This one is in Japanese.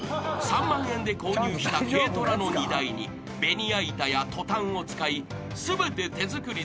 ３万円で購入した軽トラの荷台にベニヤ板やトタンを使い全て手作りで住居を製作］